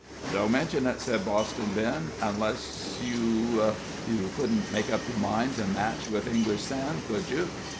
"Don't mention it," said Boston Ben, "unless you You couldn't make up your mind to a match with English Sam, could you?"